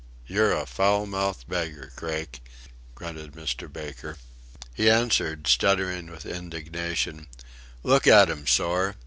You're a foul mouthed beggar, Craik," grunted Mr. Baker. He answered, stuttering with indignation: "Look at 'em, sorr.